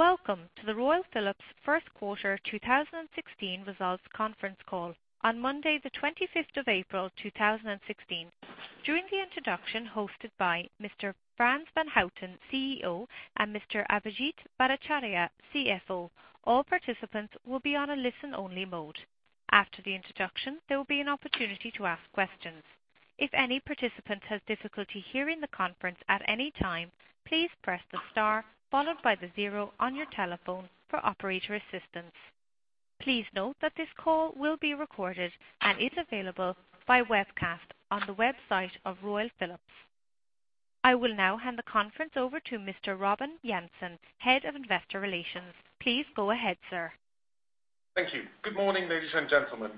Welcome to the Royal Philips first quarter 2016 results conference call on Monday the 25th of April 2016. During the introduction hosted by Mr. Frans van Houten, CEO, and Mr. Abhijit Bhattacharya, CFO, all participants will be on a listen-only mode. After the introduction, there will be an opportunity to ask questions. If any participant has difficulty hearing the conference at any time, please press the star followed by the zero on your telephone for operator assistance. Please note that this call will be recorded and is available by webcast on the website of Royal Philips. I will now hand the conference over to Mr. Robin Jansen, Head of Investor Relations. Please go ahead, sir. Thank you. Good morning, ladies and gentlemen.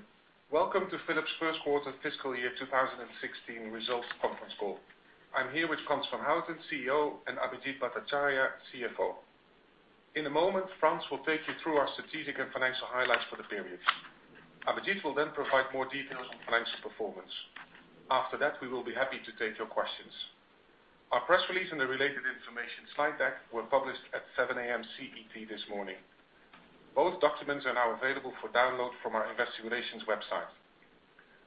Welcome to Philips' first quarter fiscal year 2016 results conference call. I'm here with Frans van Houten, CEO, and Abhijit Bhattacharya, CFO. In a moment, Frans will take you through our strategic and financial highlights for the period. Abhijit will then provide more details on financial performance. After that, we will be happy to take your questions. Our press release and the related information slide deck were published at 7:00 A.M. CET this morning. Both documents are now available for download from our investor relations website.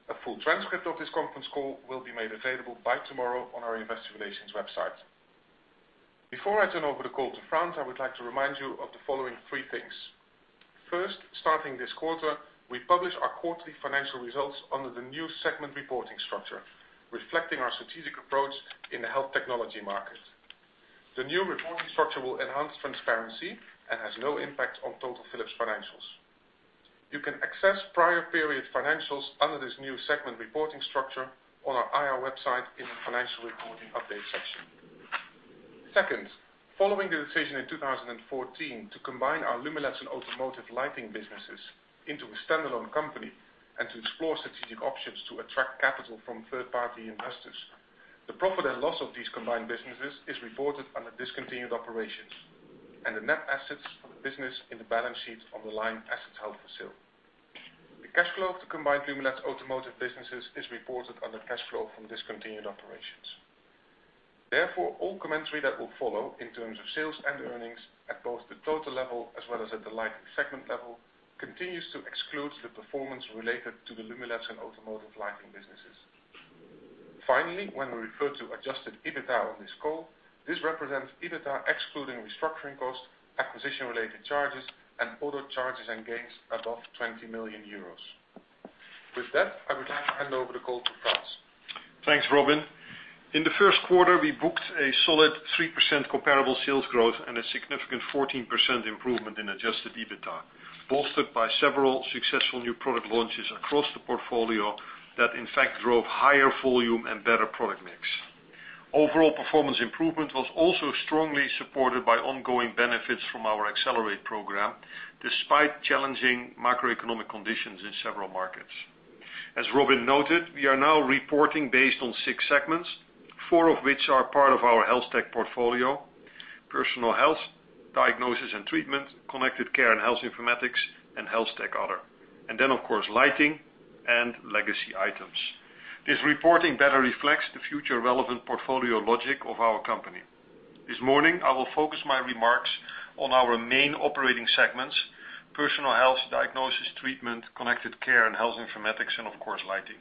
A full transcript of this conference call will be made available by tomorrow on our investor relations website. Before I turn over the call to Frans, I would like to remind you of the following three things. First, starting this quarter, we publish our quarterly financial results under the new segment reporting structure, reflecting our strategic approach in the health technology market. The new reporting structure will enhance transparency and has no impact on total Philips financials. You can access prior period financials under this new segment reporting structure on our IR website in the financial reporting update section. Second, following the decision in 2014 to combine our Lumileds and automotive lighting businesses into a standalone company and to explore strategic options to attract capital from third-party investors, the profit and loss of these combined businesses is reported under discontinued operations and the net assets for the business in the balance sheet on the line assets held for sale. The cash flow of the combined Lumileds automotive businesses is reported under cash flow from discontinued operations. Therefore, all commentary that will follow in terms of sales and earnings at both the total level as well as at the lighting segment level continues to exclude the performance related to the Lumileds and automotive lighting businesses. Finally, when we refer to adjusted EBITDA on this call, this represents EBITDA excluding restructuring costs, acquisition related charges, and other charges and gains above 20 million euros. With that, I would now hand over the call to Frans. Thanks, Robin. In the first quarter, we booked a solid 3% comparable sales growth and a significant 14% improvement in adjusted EBITDA, bolstered by several successful new product launches across the portfolio that in fact drove higher volume and better product mix. Overall performance improvement was also strongly supported by ongoing benefits from our Accelerate! program, despite challenging macroeconomic conditions in several markets. As Robin noted, we are now reporting based on six segments, four of which are part of our Health Tech portfolio, Personal Health, Diagnosis and Treatment, Connected Care and Health Informatics, and Health Tech other. Of course, Lighting and legacy items. This reporting better reflects the future relevant portfolio logic of our company. This morning, I will focus my remarks on our main operating segments, Personal Health, Diagnosis and Treatment, Connected Care and Health Informatics and, of course, Lighting.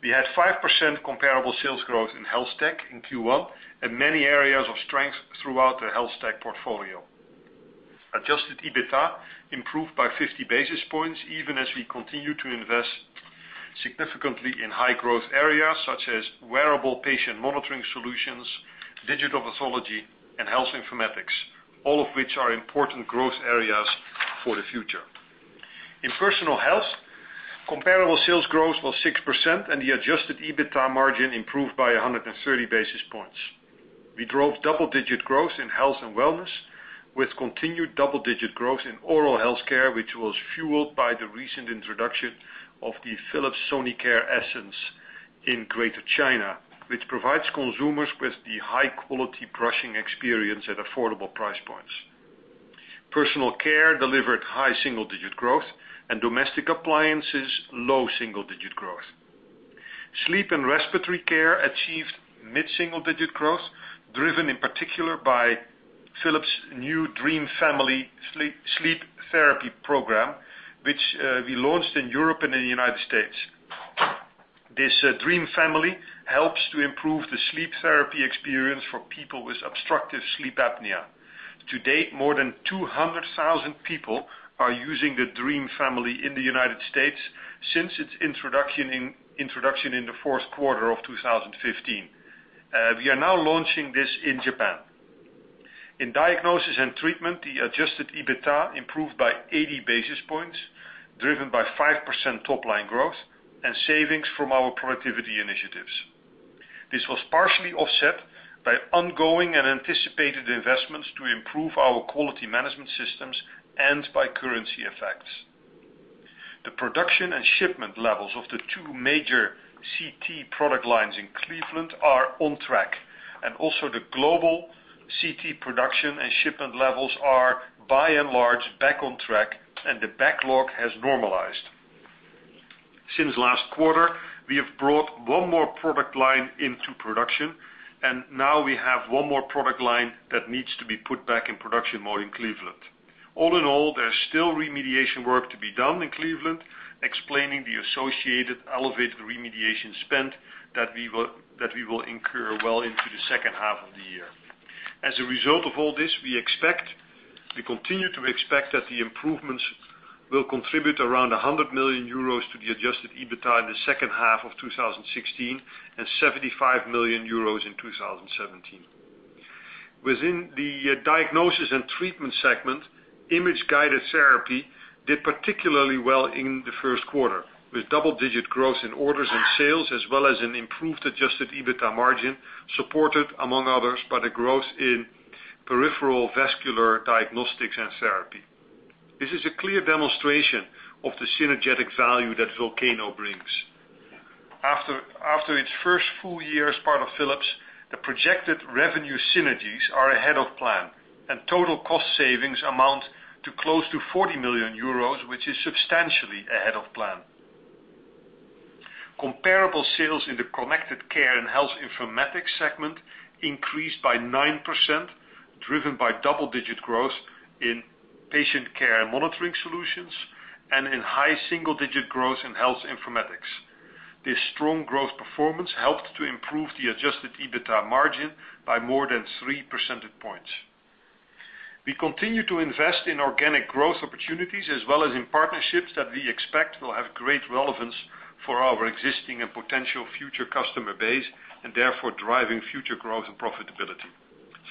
We had 5% comparable sales growth in Health Tech in Q1 and many areas of strength throughout the Health Tech portfolio. Adjusted EBITDA improved by 50 basis points, even as we continue to invest significantly in high growth areas such as wearable patient monitoring solutions, digital pathology, and health informatics, all of which are important growth areas for the future. In Personal Health, comparable sales growth was 6% and the adjusted EBITDA margin improved by 130 basis points. We drove double-digit growth in Health and Wellness with continued double-digit growth in Oral Health Care, which was fueled by the recent introduction of the Philips Sonicare Essence in Greater China, which provides consumers with the high-quality brushing experience at affordable price points. Personal Care delivered high single-digit growth and Domestic Appliances, low single-digit growth. Sleep and Respiratory Care achieved mid-single digit growth, driven in particular by Philips new Dream Family sleep therapy program, which we launched in Europe and in the United States. This Dream Family helps to improve the sleep therapy experience for people with obstructive sleep apnea. To date, more than 200,000 people are using the Dream Family in the United States since its introduction in the fourth quarter of 2015. We are now launching this in Japan. In Diagnosis and Treatment, the adjusted EBITDA improved by 80 basis points, driven by 5% top-line growth and savings from our productivity initiatives. This was partially offset by ongoing and anticipated investments to improve our quality management systems and by currency effects. The production and shipment levels of the two major CT product lines in Cleveland are on track, and also the global CT production and shipment levels are by and large back on track, and the backlog has normalized. Since last quarter, we have brought one more product line into production, and now we have one more product line that needs to be put back in production mode in Cleveland. All in all, there's still remediation work to be done in Cleveland, explaining the associated elevated remediation spend that we will incur well into the second half of the year. As a result of all this, we continue to expect that the improvements will contribute around 100 million euros to the adjusted EBITA in the second half of 2016, and 75 million euros in 2017. Within the Diagnosis and Treatment segment, image-guided therapy did particularly well in the first quarter, with double-digit growth in orders and sales, as well as an improved adjusted EBITA margin, supported, among others, by the growth in peripheral vascular diagnostics and therapy. This is a clear demonstration of the synergetic value that Volcano brings. After its first full year as part of Philips, the projected revenue synergies are ahead of plan, and total cost savings amount to close to 40 million euros, which is substantially ahead of plan. Comparable sales in the Connected Care and HealthInformatics segment increased by 9%, driven by double-digit growth in patient care and monitoring solutions and in high single-digit growth in health informatics. This strong growth performance helped to improve the adjusted EBITA margin by more than 3 percentage points. We continue to invest in organic growth opportunities as well as in partnerships that we expect will have great relevance for our existing and potential future customer base and therefore driving future growth and profitability.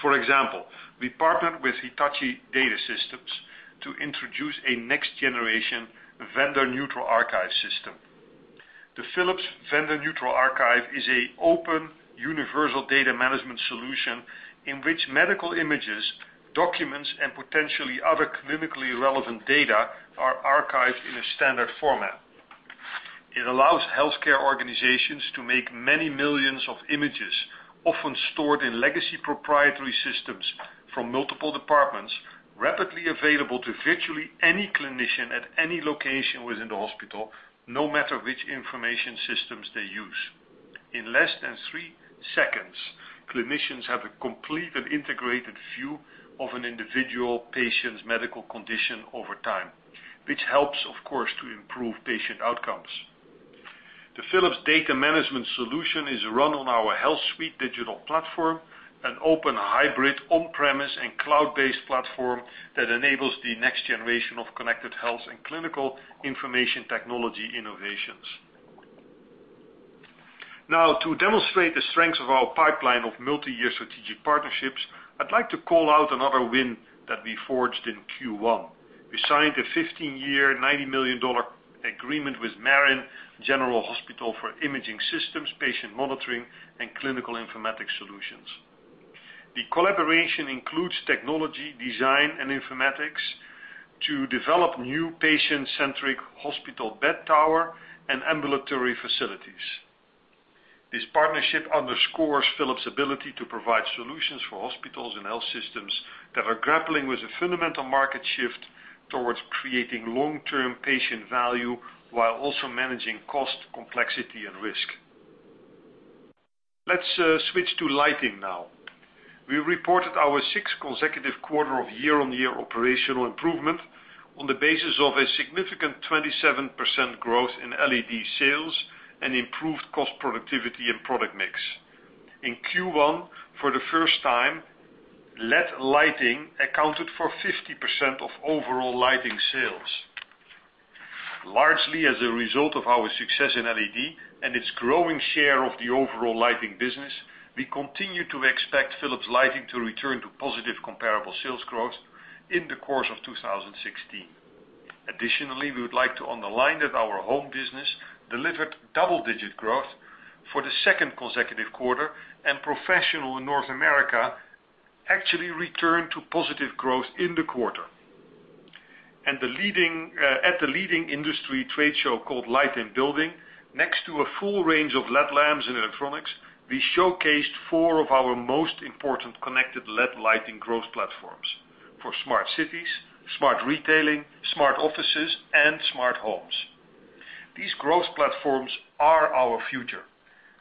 For example, we partnered with Hitachi Data Systems to introduce a next-generation vendor-neutral archive system. The Philips Vendor Neutral Archive is an open, universal data management solution in which medical images, documents, and potentially other clinically relevant data are archived in a standard format. It allows healthcare organizations to make many millions of images, often stored in legacy proprietary systems from multiple departments, rapidly available to virtually any clinician at any location within the hospital, no matter which information systems they use. In less than three seconds, clinicians have a complete and integrated view of an individual patient's medical condition over time, which helps, of course, to improve patient outcomes. The Philips data management solution is run on our HealthSuite digital platform, an open, hybrid, on-premise, and cloud-based platform that enables the next generation of connected health and clinical information technology innovations. To demonstrate the strength of our pipeline of multiyear strategic partnerships, I'd like to call out another win that we forged in Q1. We signed a 15-year, $90 million agreement with Marin General Hospital for imaging systems, patient monitoring, and clinical informatics solutions. The collaboration includes technology, design, and informatics to develop new patient-centric hospital bed tower and ambulatory facilities. This partnership underscores Philips' ability to provide solutions for hospitals and health systems that are grappling with a fundamental market shift towards creating long-term patient value while also managing cost, complexity, and risk. Let's switch to lighting now. We reported our sixth consecutive quarter of year-on-year operational improvement on the basis of a significant 27% growth in LED sales and improved cost productivity and product mix. In Q1, for the first time, LED lighting accounted for 50% of overall lighting sales. Largely as a result of our success in LED and its growing share of the overall lighting business, we continue to expect Philips Lighting to return to positive comparable sales growth in the course of 2016. Additionally, we would like to underline that our home business delivered double-digit growth for the second consecutive quarter, and professional in North America actually returned to positive growth in the quarter. At the leading industry trade show called Light + Building, next to a full range of LED lamps and electronics, we showcased four of our most important connected LED lighting growth platforms for smart cities, smart retailing, smart offices, and smart homes. These growth platforms are our future.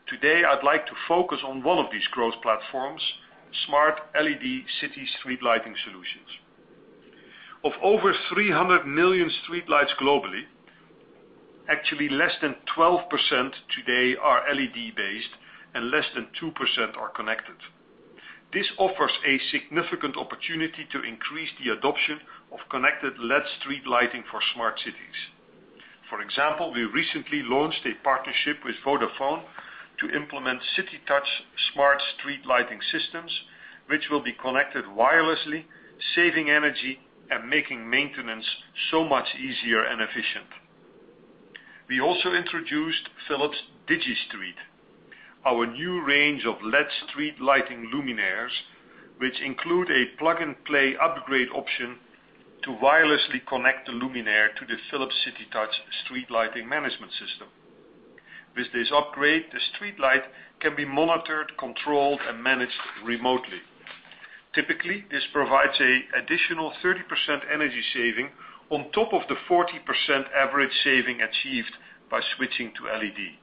Today, I'd like to focus on one of these growth platforms, smart LED city street lighting solutions. Of over 300 million streetlights globally, actually less than 12% today are LED-based and less than 2% are connected. This offers a significant opportunity to increase the adoption of connected LED street lighting for smart cities. For example, we recently launched a partnership with Vodafone to implement CityTouch smart street lighting systems, which will be connected wirelessly, saving energy and making maintenance so much easier and efficient. We also introduced Philips DigiStreet, our new range of LED street lighting luminaires, which include a plug-and-play upgrade option to wirelessly connect the luminaire to the Philips CityTouch street lighting management system. With this upgrade, the streetlight can be monitored, controlled, and managed remotely. Typically, this provides additional 30% energy saving on top of the 40% average saving achieved by switching to LED.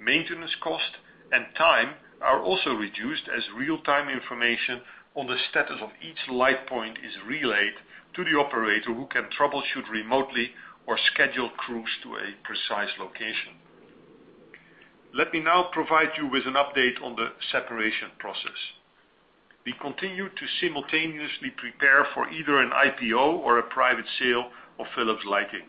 Maintenance cost and time are also reduced as real-time information on the status of each light point is relayed to the operator who can troubleshoot remotely or schedule crews to a precise location. Let me now provide you with an update on the separation process. We continue to simultaneously prepare for either an IPO or a private sale of Philips Lighting.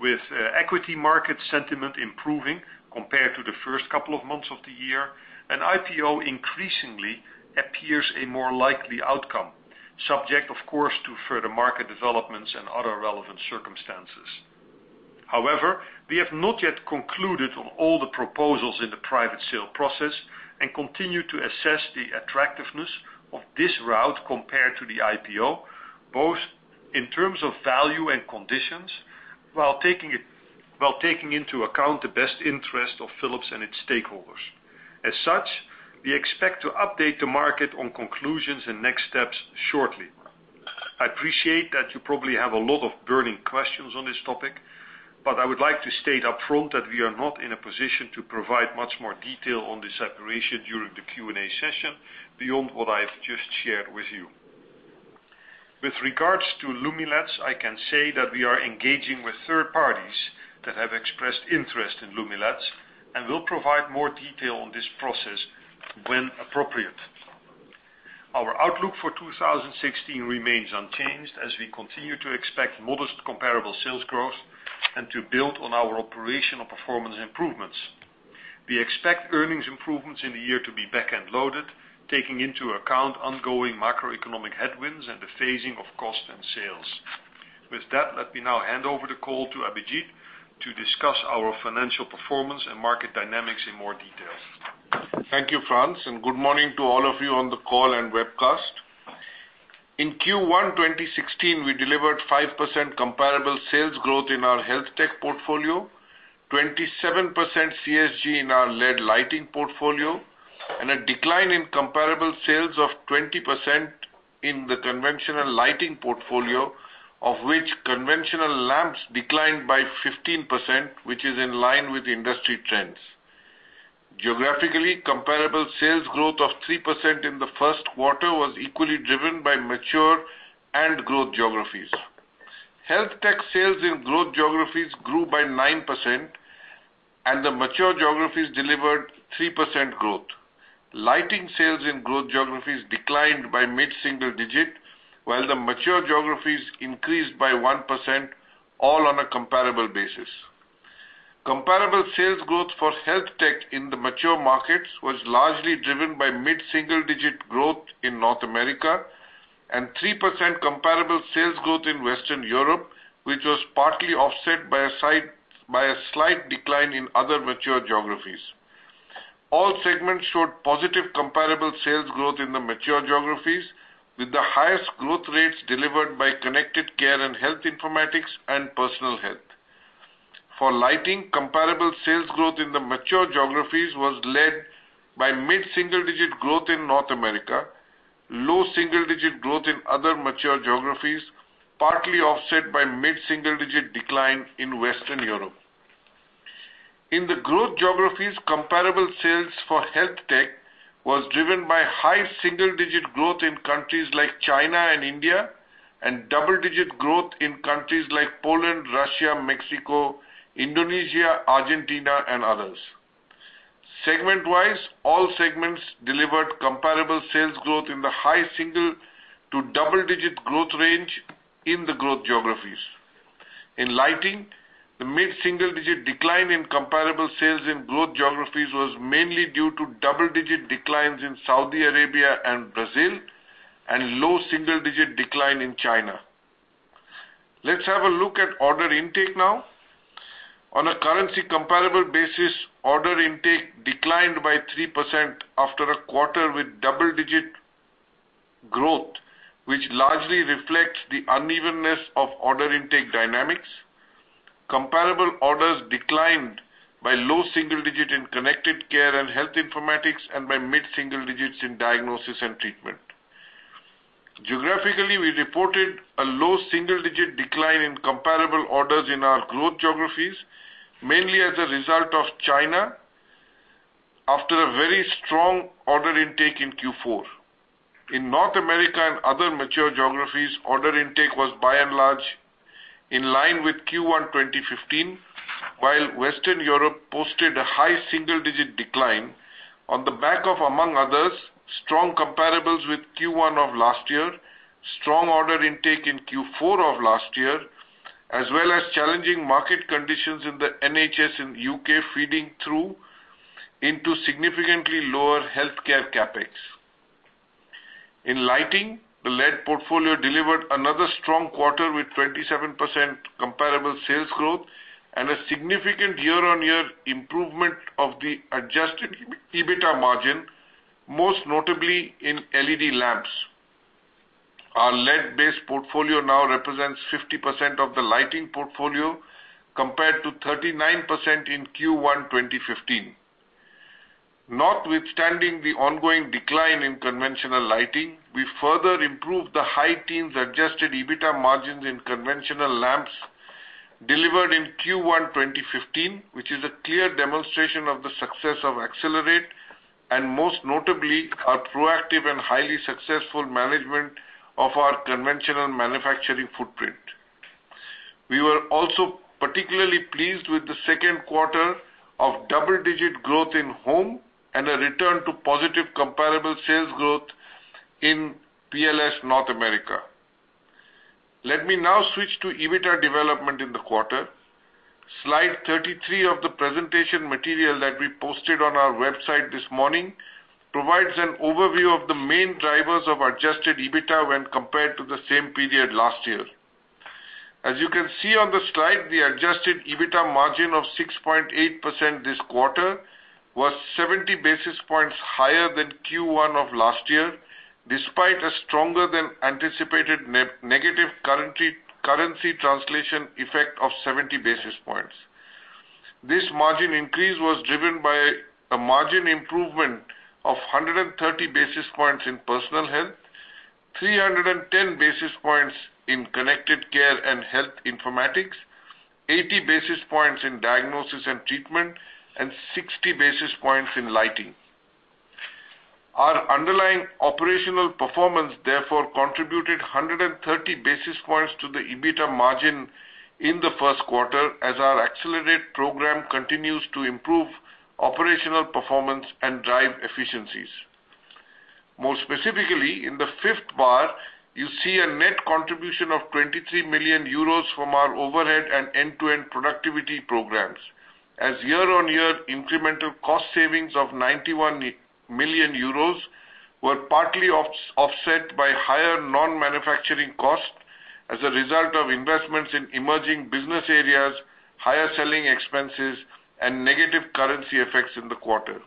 With equity market sentiment improving compared to the first couple of months of the year, an IPO increasingly appears a more likely outcome, subject of course, to further market developments and other relevant circumstances. We have not yet concluded on all the proposals in the private sale process and continue to assess the attractiveness of this route compared to the IPO, both in terms of value and conditions, while taking into account the best interest of Philips and its stakeholders. We expect to update the market on conclusions and next steps shortly. I appreciate that you probably have a lot of burning questions on this topic, but I would like to state upfront that we are not in a position to provide much more detail on the separation during the Q&A session beyond what I have just shared with you. With regards to Lumileds, I can say that we are engaging with third parties that have expressed interest in Lumileds and will provide more detail on this process when appropriate. Our outlook for 2016 remains unchanged as we continue to expect modest comparable sales growth and to build on our operational performance improvements. We expect earnings improvements in the year to be back-end loaded, taking into account ongoing macroeconomic headwinds and the phasing of cost and sales. Let me now hand over the call to Abhijit to discuss our financial performance and market dynamics in more detail. Thank you, Frans, and good morning to all of you on the call and webcast. In Q1 2016, we delivered 5% comparable sales growth in our Health Tech portfolio, 27% CSG in our LED lighting portfolio, and a decline in comparable sales of 20% in the conventional lighting portfolio, of which conventional lamps declined by 15%, which is in line with industry trends. Geographically, comparable sales growth of 3% in the first quarter was equally driven by mature and growth geographies. Health Tech sales in growth geographies grew by 9%, and the mature geographies delivered 3% growth. Lighting sales in growth geographies declined by mid-single digit, while the mature geographies increased by 1%, all on a comparable basis. Comparable sales growth for Health Tech in the mature markets was largely driven by mid-single digit growth in North America and 3% comparable sales growth in Western Europe, which was partly offset by a slight decline in other mature geographies. All segments showed positive comparable sales growth in the mature geographies, with the highest growth rates delivered by Connected Care and Health Informatics and Personal Health. For lighting, comparable sales growth in the mature geographies was led by mid-single digit growth in North America, low single-digit growth in other mature geographies, partly offset by mid-single digit decline in Western Europe. In the growth geographies, comparable sales for Health Tech was driven by high single-digit growth in countries like China and India, and double-digit growth in countries like Poland, Russia, Mexico, Indonesia, Argentina, and others. Segment-wise, all segments delivered comparable sales growth in the high single to double-digit growth range in the growth geographies. In lighting, the mid-single digit decline in comparable sales in growth geographies was mainly due to double-digit declines in Saudi Arabia and Brazil and low double-digit decline in China. Let's have a look at order intake now. On a currency comparable basis, order intake declined by 3% after a quarter with double-digit growth, which largely reflects the unevenness of order intake dynamics. Comparable orders declined by low single digit in Connected Care and Health Informatics and by mid-single digits in Diagnosis and Treatment. Geographically, we reported a low single-digit decline in comparable orders in our growth geographies, mainly as a result of China after a very strong order intake in Q4. In North America and other mature geographies, order intake was by and large in line with Q1 2015, while Western Europe posted a high single-digit decline on the back of, among others, strong comparables with Q1 of last year, strong order intake in Q4 of last year, as well as challenging market conditions in the NHS and U.K. feeding through into significantly lower healthcare CapEx. In lighting, the LED portfolio delivered another strong quarter with 27% comparable sales growth and a significant year-on-year improvement of the adjusted EBITDA margin, most notably in LED lamps. Our LED-based portfolio now represents 50% of the lighting portfolio, compared to 39% in Q1 2015. Notwithstanding the ongoing decline in conventional lighting, we further improved the high teens adjusted EBITA margins in conventional lamps delivered in Q1 2015, which is a clear demonstration of the success of Accelerate!, and most notably, our proactive and highly successful management of our conventional manufacturing footprint. We were also particularly pleased with the second quarter of double-digit growth in home and a return to positive comparable sales growth in PLS North America. Let me now switch to EBITA development in the quarter. Slide 33 of the presentation material that we posted on our website this morning provides an overview of the main drivers of adjusted EBITA when compared to the same period last year. As you can see on the slide, the adjusted EBITA margin of 6.8% this quarter was 70 basis points higher than Q1 of last year, despite a stronger-than-anticipated negative currency translation effect of 70 basis points. This margin increase was driven by a margin improvement of 130 basis points in Personal Health, 310 basis points in connected care and health informatics, 80 basis points in Diagnosis and Treatment, and 60 basis points in Lighting. Our underlying operational performance therefore contributed 130 basis points to the EBITA margin in the first quarter as our Accelerate! program continues to improve operational performance and drive efficiencies. More specifically, in the fifth bar, you see a net contribution of 23 million euros from our overhead and end-to-end productivity programs, as year-on-year incremental cost savings of 91 million euros were partly offset by higher non-manufacturing costs as a result of investments in emerging business areas, higher selling expenses, and negative currency effects in the quarter.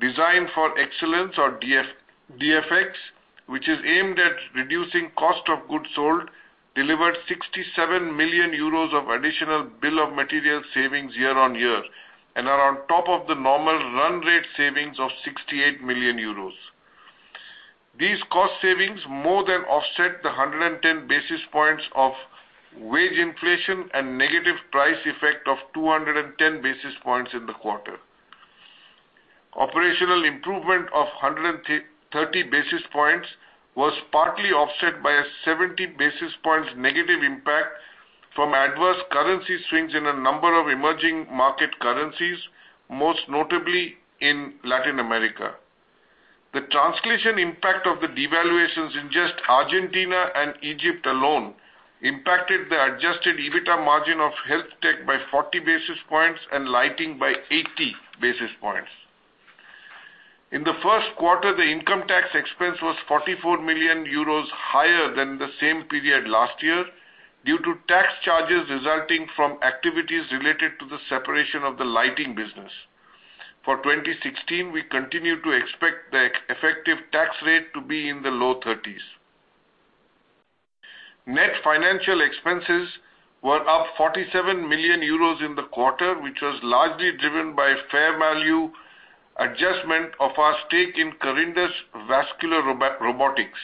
Design for Excellence or DFX, which is aimed at reducing cost of goods sold, delivered 67 million euros of additional bill of material savings year-on-year and are on top of the normal run rate savings of 68 million euros. These cost savings more than offset the 110 basis points of wage inflation and negative price effect of 210 basis points in the quarter. Operational improvement of 130 basis points was partly offset by a 70 basis points negative impact from adverse currency swings in a number of emerging market currencies, most notably in Latin America. The translation impact of the devaluations in just Argentina and Egypt alone impacted the adjusted EBITA margin of HealthTech by 40 basis points and Lighting by 80 basis points. In the first quarter, the income tax expense was 44 million euros higher than the same period last year due to tax charges resulting from activities related to the separation of the Lighting business. For 2016, we continue to expect the effective tax rate to be in the low 30s. Net financial expenses were up 47 million euros in the quarter, which was largely driven by fair value adjustment of our stake in Corindus Vascular Robotics.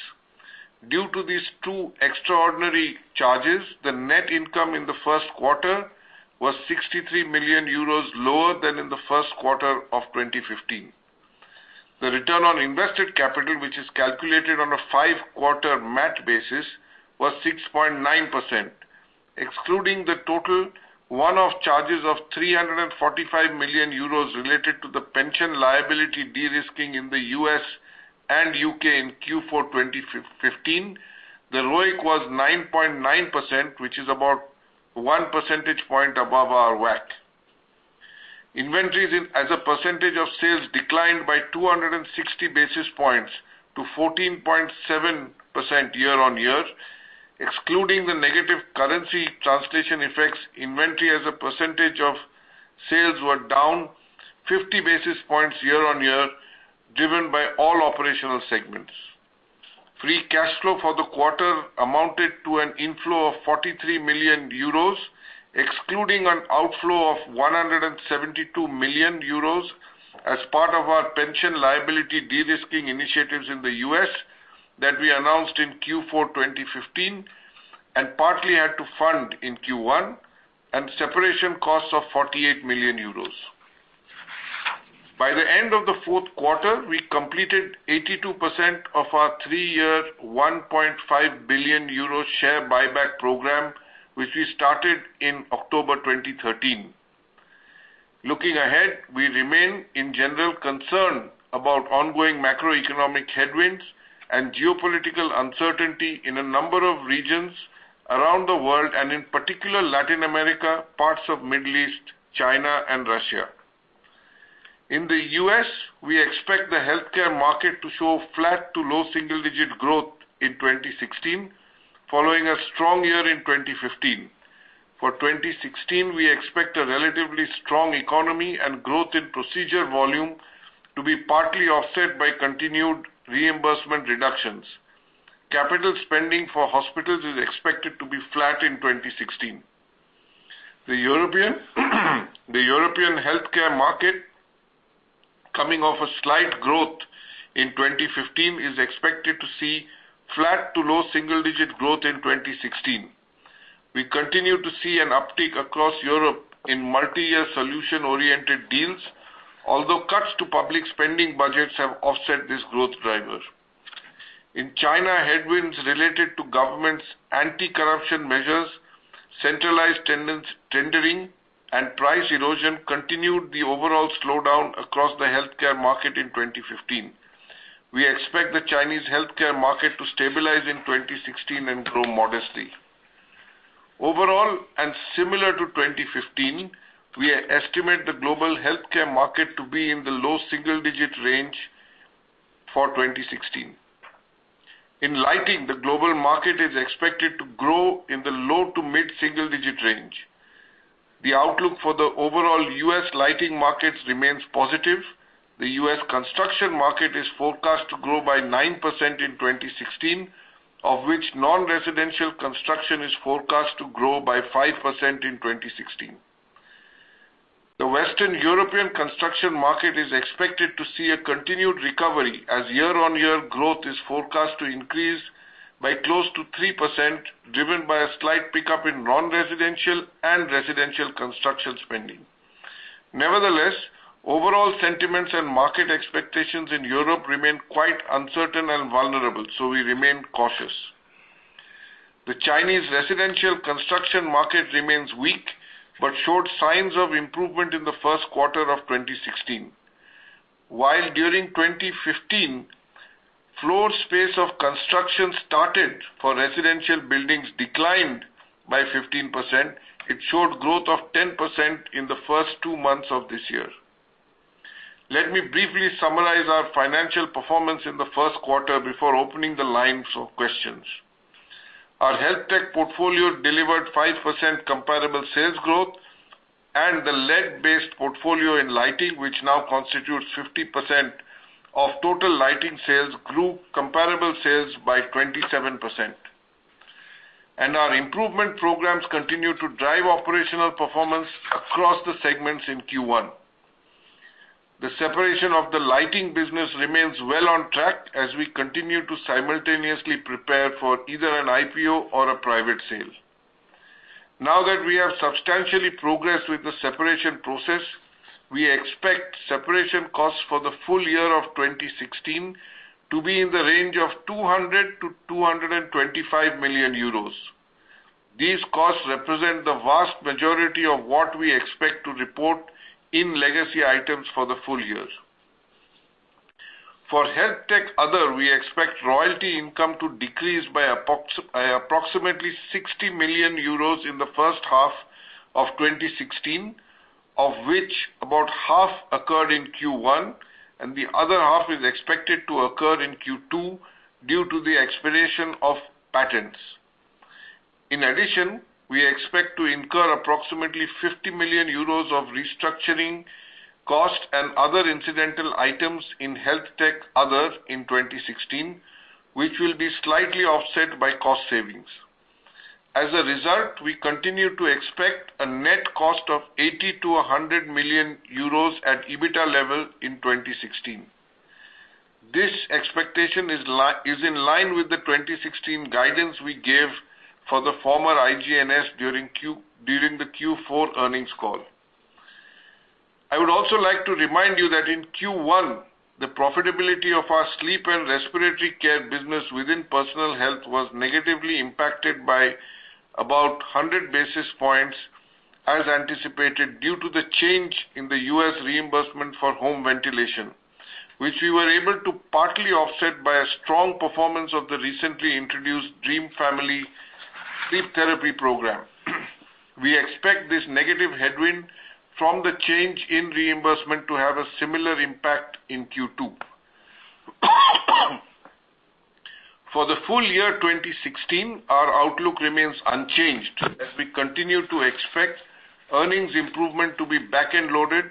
Due to these two extraordinary charges, the net income in the first quarter was 63 million euros lower than in the first quarter of 2015. The return on invested capital, which is calculated on a five-quarter MAT basis, was 6.9%, excluding the total one-off charges of 345 million euros related to the pension liability de-risking in the U.S. and U.K. in Q4 2015. The ROIC was 9.9%, which is about one percentage point above our WACC. Inventories as a percentage of sales declined by 260 basis points to 14.7% year on year. Excluding the negative currency translation effects, inventory as a percentage of sales were down 50 basis points year on year, driven by all operational segments. Free cash flow for the quarter amounted to an inflow of 43 million euros, excluding an outflow of 172 million euros as part of our pension liability de-risking initiatives in the U.S. that we announced in Q4 2015 and partly had to fund in Q1, and separation costs of 48 million euros. By the end of the fourth quarter, we completed 82% of our three-year, 1.5 billion euro share buyback program, which we started in October 2013. Looking ahead, we remain, in general, concerned about ongoing macroeconomic headwinds and geopolitical uncertainty in a number of regions around the world, and in particular Latin America, parts of Middle East, China, and Russia. In the U.S., we expect the healthcare market to show flat to low double-digit growth in 2016, following a strong year in 2015. For 2016, we expect a relatively strong economy and growth in procedure volume to be partly offset by continued reimbursement reductions. Capital spending for hospitals is expected to be flat in 2016. The European healthcare market, coming off a slight growth in 2015, is expected to see flat to low single-digit growth in 2016. We continue to see an uptick across Europe in multi-year solution-oriented deals, although cuts to public spending budgets have offset this growth driver. In China, headwinds related to government's anti-corruption measures, centralized tendering, and price erosion continued the overall slowdown across the healthcare market in 2015. We expect the Chinese healthcare market to stabilize in 2016 and grow modestly. Overall, and similar to 2015, we estimate the global healthcare market to be in the low single-digit range for 2016. In lighting, the global market is expected to grow in the low to mid single-digit range. The outlook for the overall U.S. lighting markets remains positive. The U.S. construction market is forecast to grow by 9% in 2016, of which non-residential construction is forecast to grow by 5% in 2016. The Western European construction market is expected to see a continued recovery as year-on-year growth is forecast to increase by close to 3%, driven by a slight pickup in non-residential and residential construction spending. Nevertheless, overall sentiments and market expectations in Europe remain quite uncertain and vulnerable, so we remain cautious. The Chinese residential construction market remains weak but showed signs of improvement in the first quarter of 2016. While during 2015, floor space of construction started for residential buildings declined by 15%, it showed growth of 10% in the first two months of this year. Let me briefly summarize our financial performance in the first quarter before opening the lines for questions. Our HealthTech portfolio delivered 5% comparable sales growth, and the LED-based portfolio in lighting, which now constitutes 50% of total lighting sales, grew comparable sales by 27%. Our improvement programs continue to drive operational performance across the segments in Q1. The separation of the lighting business remains well on track as we continue to simultaneously prepare for either an IPO or a private sale. Now that we have substantially progressed with the separation process, we expect separation costs for the full year of 2016 to be in the range of 200 million-225 million euros. These costs represent the vast majority of what we expect to report in legacy items for the full year. For HealthTech other, we expect royalty income to decrease by approximately 60 million euros in the first half of 2016, of which about half occurred in Q1, and the other half is expected to occur in Q2 due to the expiration of patents. In addition, we expect to incur approximately 50 million euros of restructuring costs and other incidental items in HealthTech other in 2016, which will be slightly offset by cost savings. As a result, we continue to expect a net cost of 80 million-100 million euros at EBITDA level in 2016. This expectation is in line with the 2016 guidance we gave for the former IGNS during the Q4 earnings call. I would also like to remind you that in Q1, the profitability of our sleep and respiratory care business within personal health was negatively impacted by about 100 basis points as anticipated due to the change in the U.S. reimbursement for home ventilation, which we were able to partly offset by a strong performance of the recently introduced Dream Family sleep therapy program. We expect this negative headwind from the change in reimbursement to have a similar impact in Q2. For the full year 2016, our outlook remains unchanged as we continue to expect earnings improvement to be back-end loaded,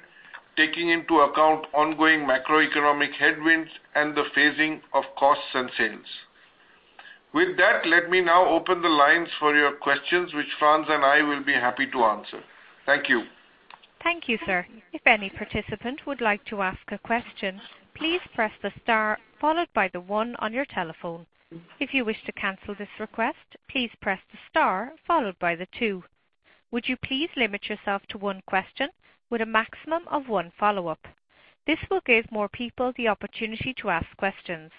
taking into account ongoing macroeconomic headwinds and the phasing of costs and sales. With that, let me now open the lines for your questions, which Frans and I will be happy to answer. Thank you. Thank you, sir. If any participant would like to ask a question, please press the star followed by the one on your telephone. If you wish to cancel this request, please press the star followed by the two. Would you please limit yourself to one question with a maximum of one follow-up? This will give more people the opportunity to ask questions.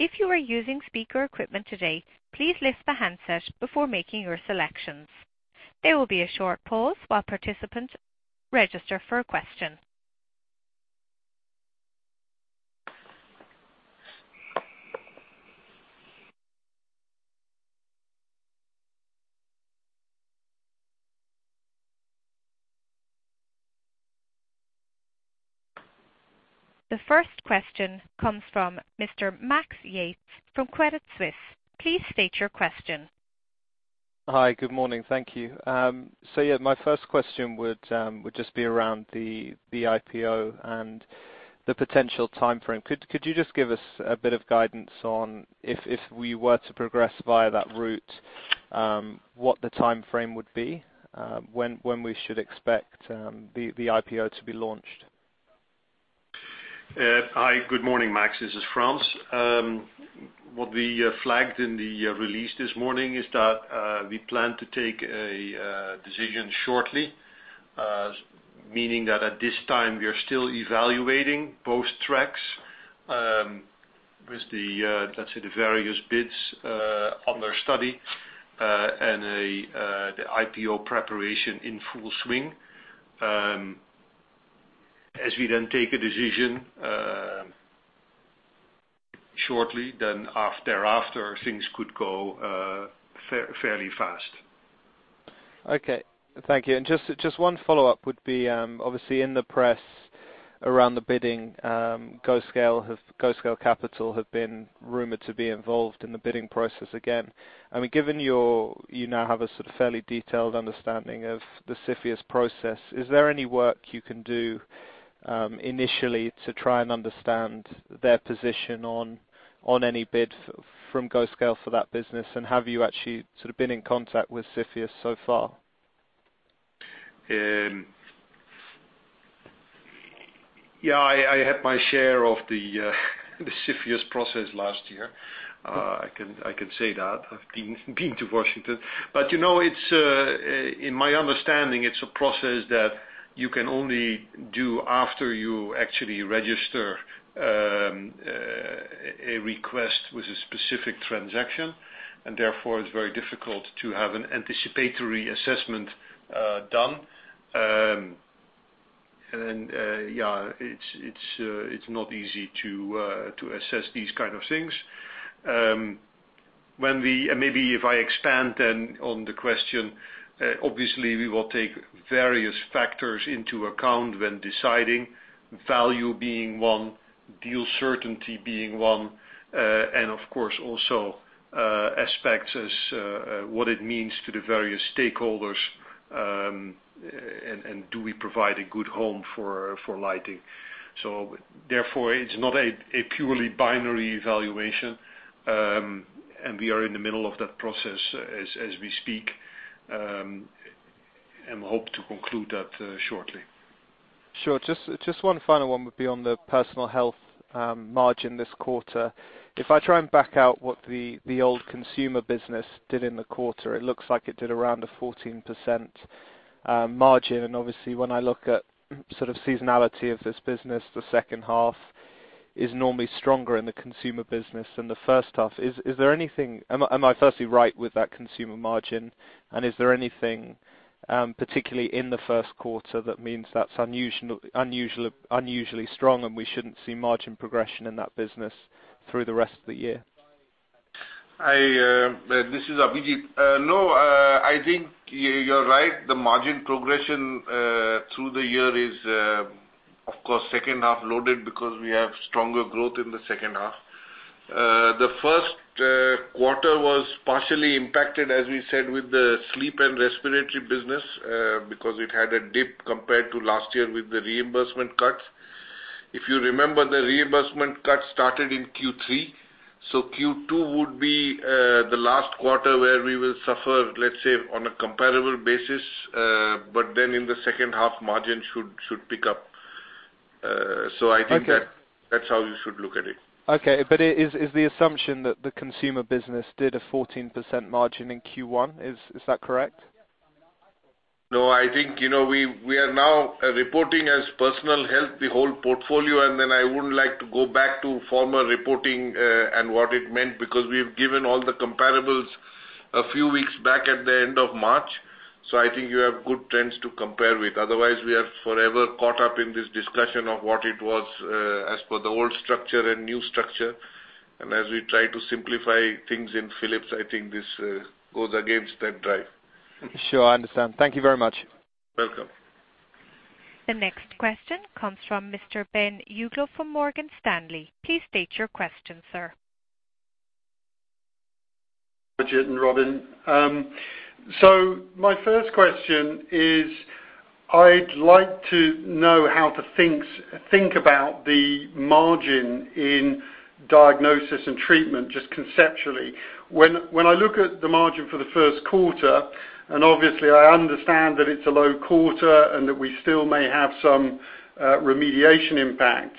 If you are using speaker equipment today, please lift the handset before making your selections. There will be a short pause while participants register for a question. The first question comes from Mr. Max Yates from Credit Suisse. Please state your question. Hi. Good morning. Thank you. Yeah, my first question would just be around the IPO and the potential timeframe. Could you just give us a bit of guidance on, if we were to progress via that route, what the timeframe would be, when we should expect the IPO to be launched? Hi. Good morning, Max. This is Frans. What we flagged in the release this morning is that we plan to take a decision shortly, meaning that at this time, we are still evaluating both tracks, with the various bids under study and the IPO preparation in full swing. As we then take a decision shortly, then thereafter, things could go fairly fast. Okay. Thank you. Just one follow-up would be, obviously in the press around the bidding, GO Scale Capital have been rumored to be involved in the bidding process again. Given you now have a sort of fairly detailed understanding of the CFIUS process, is there any work you can do initially to try and understand their position on any bid from GO Scale for that business? Have you actually been in contact with CFIUS so far? Yeah, I had my share of the CFIUS process last year. I can say that, I've been to Washington. In my understanding, it's a process that you can only do after you actually register a request with a specific transaction, and therefore, it's very difficult to have an anticipatory assessment done. Yeah, it's not easy to assess these kind of things. Maybe if I expand then on the question, obviously we will take various factors into account when deciding, value being one, deal certainty being one, and of course also aspects as what it means to the various stakeholders, and do we provide a good home for lighting. Therefore, it's not a purely binary evaluation, and we are in the middle of that process as we speak, and hope to conclude that shortly. Sure. Just one final one would be on the Personal Health margin this quarter. If I try and back out what the old consumer business did in the quarter, it looks like it did around a 14% margin, and obviously when I look at sort of seasonality of this business, the second half is normally stronger in the consumer business than the first half. Am I firstly right with that consumer margin, and is there anything, particularly in the first quarter, that means that's unusually strong and we shouldn't see margin progression in that business through the rest of the year? This is Abhijit. I think you're right. The margin progression through the year is, of course, second half loaded because we have stronger growth in the second half. The first quarter was partially impacted, as we said, with the sleep and respiratory business, because it had a dip compared to last year with the reimbursement cuts. If you remember, the reimbursement cuts started in Q3, so Q2 would be the last quarter where we will suffer, let's say, on a comparable basis. In the second half, margin should pick up. I think that Okay that's how you should look at it. Okay. Is the assumption that the consumer business did a 14% margin in Q1, is that correct? No. I think we are now reporting as Personal Health, the whole portfolio. I wouldn't like to go back to former reporting, and what it meant, because we've given all the comparables a few weeks back at the end of March. I think you have good trends to compare with. Otherwise, we are forever caught up in this discussion of what it was, as per the old structure and new structure. As we try to simplify things in Philips, I think this goes against that drive. Sure. I understand. Thank you very much. Welcome. The next question comes from Mr. Ben Uglow from Morgan Stanley. Please state your question, sir. Abhijit and Robin. My first question is, I'd like to know how to think about the margin in Diagnosis and Treatment, just conceptually. When I look at the margin for the first quarter, and obviously I understand that it's a low quarter and that we still may have some remediation impact,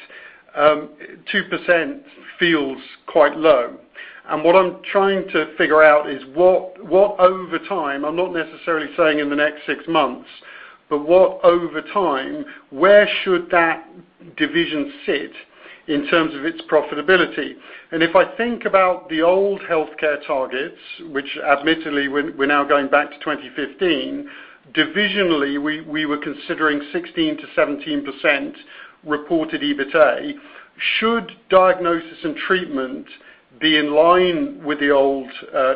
2% feels quite low. What I'm trying to figure out is, what over time, I'm not necessarily saying in the next six months, but what over time, where should that division sit in terms of its profitability? If I think about the old healthcare targets, which admittedly we're now going back to 2015, divisionally, we were considering 16%-17% reported EBITA. Should Diagnosis and Treatment be in line with the old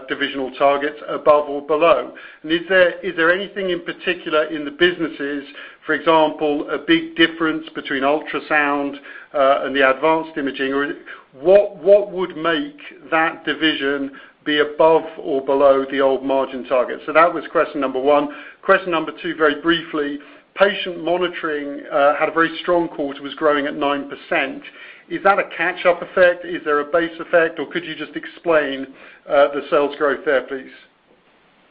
divisional targets above or below? Is there anything in particular in the businesses, for example, a big difference between ultrasound and the advanced imaging? What would make that division be above or below the old margin target? That was question number 1. Question number 2, very briefly, patient monitoring had a very strong quarter, it was growing at 9%. Is that a catch-up effect? Is there a base effect, or could you just explain the sales growth there, please?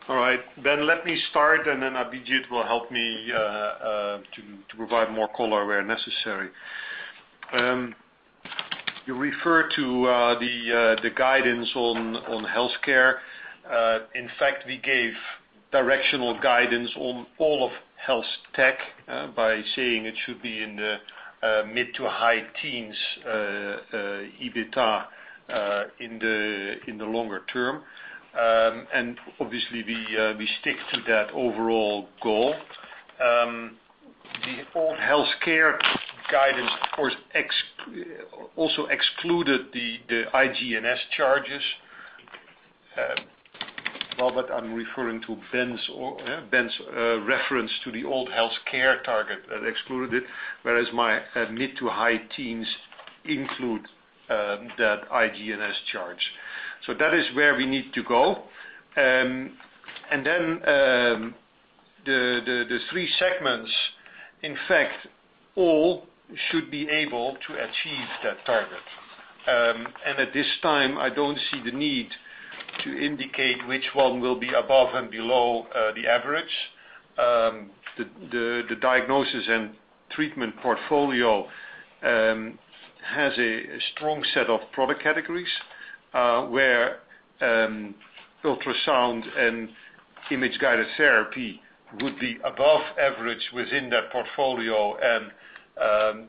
All right. Ben, let me start, then Abhijit will help me to provide more color where necessary. You refer to the guidance on healthcare. In fact, we gave directional guidance on all of Health Tech by saying it should be in the mid to high teens, EBITDA, in the longer term. Obviously, we stick to that overall goal. The old healthcare guidance, of course, also excluded the IGNS charges. Robin, I'm referring to Ben's reference to the old healthcare target that excluded it, whereas my mid to high teens include that IGNS charge. That is where we need to go. Then, the three segments, in fact, all should be able to achieve that target. At this time, I don't see the need to indicate which one will be above and below the average. The Diagnosis and Treatment portfolio has a strong set of product categories, where ultrasound and image-guided therapy would be above average within that portfolio and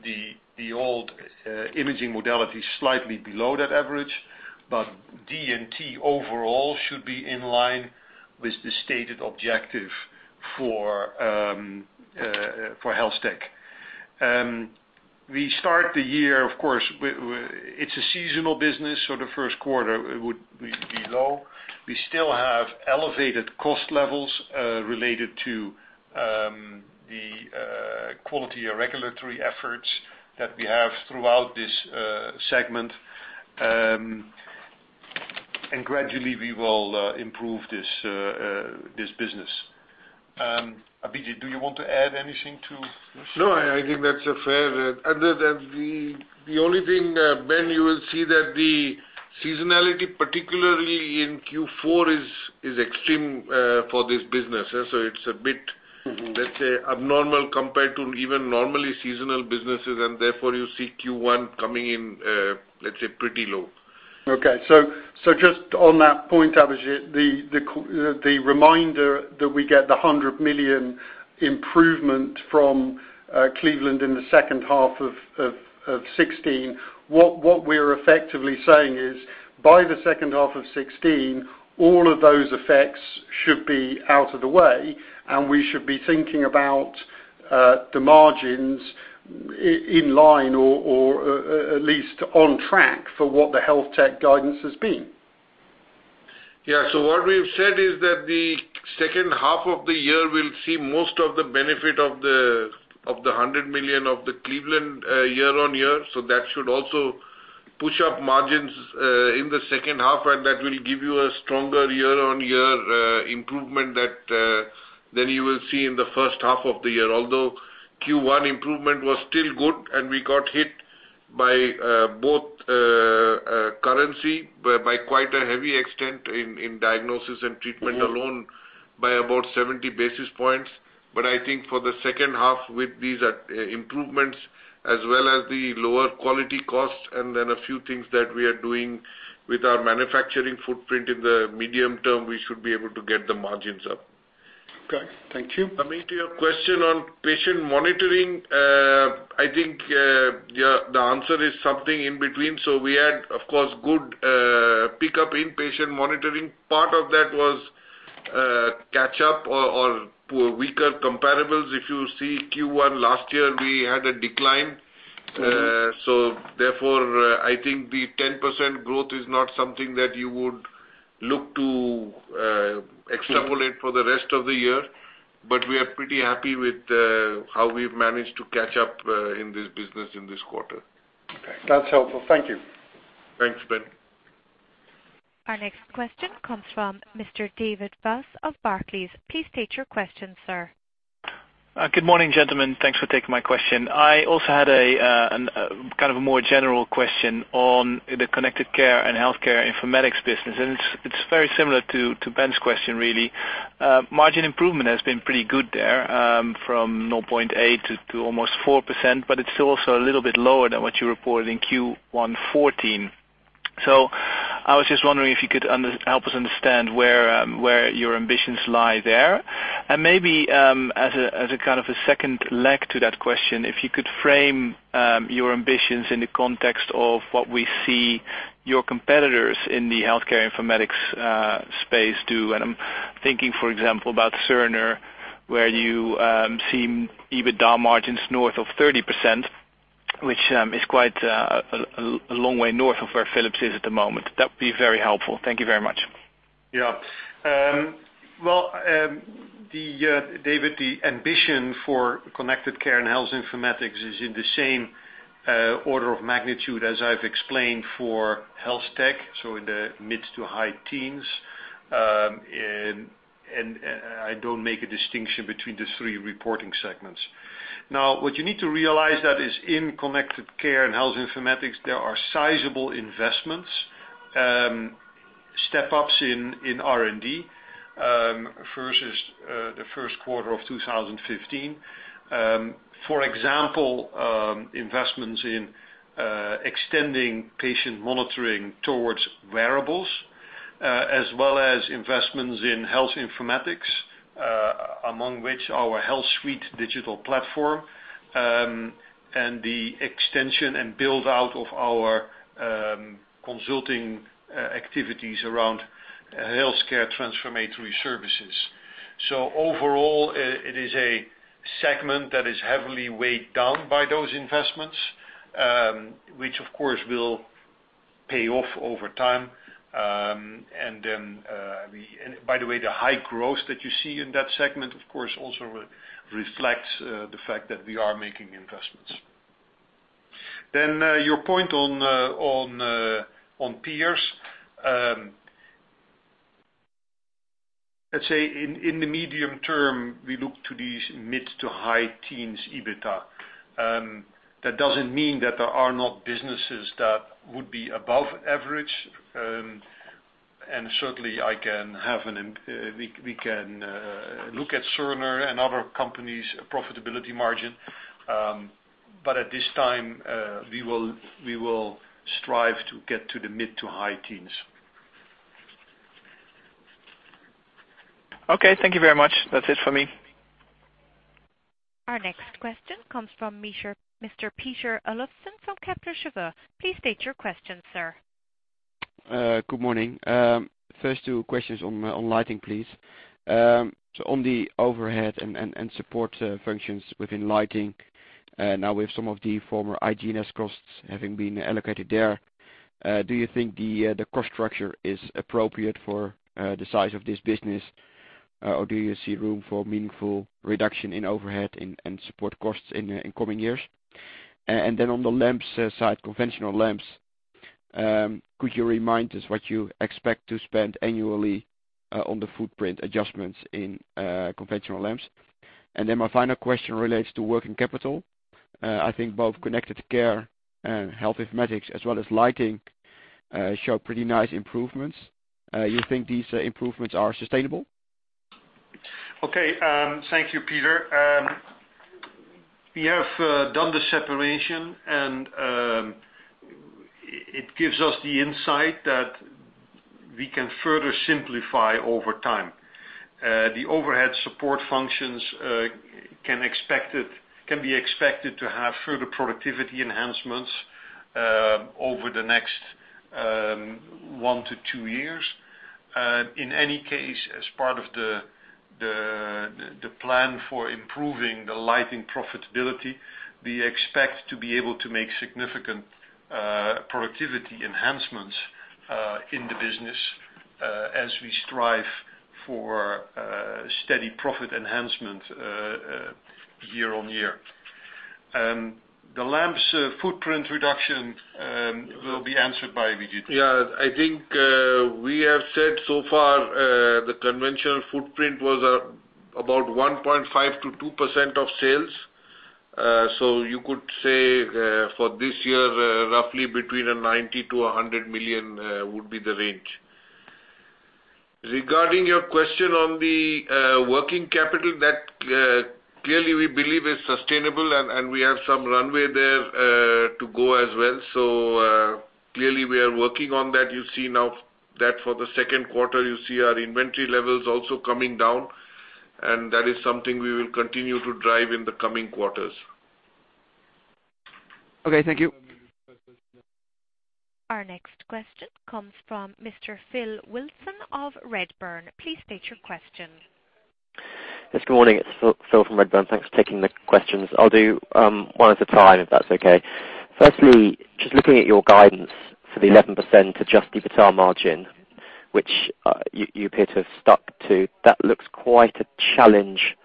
the old imaging modality is slightly below that average. Diagnosis and Treatment overall should be in line with the stated objective for Health Tech. We start the year, of course, it's a seasonal business, so the first quarter would be low. We still have elevated cost levels related to the quality or regulatory efforts that we have throughout this segment. Gradually, we will improve this business. Abhijit, do you want to add anything to this? No, I think that's fair. Other than the only thing, Ben, you will see that the seasonality, particularly in Q4, is extreme for this business. It's a bit- let's say, abnormal compared to even normally seasonal businesses, therefore you see Q1 coming in, let's say, pretty low. Okay. Just on that point, Abhijit, the reminder that we get the 100 million improvement from Cleveland in the second half of 2016, what we're effectively saying is by the second half of 2016, all of those effects should be out of the way, and we should be thinking about the margins in line or at least on track for what the Health Tech guidance has been. Yeah. What we've said is that the second half of the year will see most of the benefit of the 100 million of the Cleveland year-on-year. That should also push up margins in the second half, and that will give you a stronger year-on-year improvement than you will see in the first half of the year. Although Q1 improvement was still good, and we got hit by both currency, by quite a heavy extent in Diagnosis and Treatment alone by about 70 basis points. I think for the second half, with these improvements, as well as the lower quality cost and then a few things that we are doing with our manufacturing footprint in the medium term, we should be able to get the margins up. Okay. Thank you. I mean, to your question on patient monitoring, I think, the answer is something in between. We had, of course, good pickup in patient monitoring. Part of that was catch up or weaker comparables. If you see Q1 last year, we had a decline. Therefore, I think the 10% growth is not something that you would look to extrapolate for the rest of the year, but we are pretty happy with how we've managed to catch up in this business in this quarter. Okay. That's helpful. Thank you. Thanks, Ben. Our next question comes from Mr. David Vos of Barclays. Please state your question, sir. Good morning, gentlemen. Thanks for taking my question. I also had a more general question on the Connected Care and Health Informatics business. It's very similar to Ben's question really. Margin improvement has been pretty good there, from 0.8% to almost 4%, but it's also a little bit lower than what you reported in Q1 2014. I was just wondering if you could help us understand where your ambitions lie there. Maybe as a kind of a second leg to that question, if you could frame your ambitions in the context of what we see your competitors in the healthcare informatics space do. I'm thinking, for example, about Cerner, where you see EBITDA margins north of 30%, which is quite a long way north of where Philips is at the moment. That would be very helpful. Thank you very much. David, the ambition for Connected Care and Health Informatics is in the same order of magnitude as I've explained for Health Tech, so in the mid to high teens%. I don't make a distinction between the three reporting segments. Now, what you need to realize that is in Connected Care and Health Informatics, there are sizable investments, step-ups in R&D versus the first quarter of 2015. For example, investments in extending patient monitoring towards wearables, as well as investments in health informatics, among which our HealthSuite digital platform, and the extension and build-out of our consulting activities around healthcare transformatory services. Overall, it is a segment that is heavily weighed down by those investments, which, of course, will pay off over time. By the way, the high growth that you see in that segment, of course, also reflects the fact that we are making investments. Your point on peers. Let's say in the medium term, we look to these mid to high teens EBITDA. That doesn't mean that there are not businesses that would be above average. Certainly, we can look at Cerner and other companies' profitability margin. At this time, we will strive to get to the mid to high teens%. Okay. Thank you very much. That's it for me. Our next question comes from Mr. Peter Olofsen from Kepler Cheuvreux. Please state your question, sir. Good morning. First two questions on Lighting, please. On the overhead and support functions within Lighting, now with some of the former IGNS costs having been allocated there, do you think the cost structure is appropriate for the size of this business? Or do you see room for meaningful reduction in overhead and support costs in coming years? On the lamps side, conventional lamps, could you remind us what you expect to spend annually on the footprint adjustments in conventional lamps? My final question relates to working capital. I think both Connected Care and Health Informatics as well as Lighting show pretty nice improvements. You think these improvements are sustainable? Okay. Thank you, Peter. We have done the separation, and it gives us the insight that we can further simplify over time. The overhead support functions can be expected to have further productivity enhancements over the next one to two years. In any case, as part of the plan for improving the Lighting profitability, we expect to be able to make significant productivity enhancements in the business as we strive for steady profit enhancement year-over-year. The lamps footprint reduction will be answered by Abhijit. Yeah, I think we have said so far, the conventional footprint was about 1.5%-2% of sales. You could say for this year, roughly between 90 million-100 million would be the range. Regarding your question on the working capital, that clearly we believe is sustainable, and we have some runway there to go as well. Clearly we are working on that. You see now that for the second quarter, you see our inventory levels also coming down, and that is something we will continue to drive in the coming quarters. Okay, thank you. Our next question comes from Mr. Phil Wilson of Redburn. Please state your question. Yes, good morning. It is Phil from Redburn. Thanks for taking the questions. I will do one at a time, if that is okay. Firstly, just looking at your guidance for the 11% adjusted EBITDA margin, which you appear to have stuck to, that looks quite a challenge,